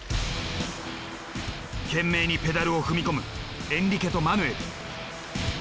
懸命にペダルを踏み込むエンリケとマヌエル。